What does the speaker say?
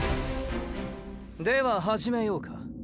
では始めようか。